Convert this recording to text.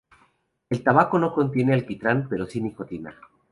El tabaco no contiene alquitrán pero si nicotina.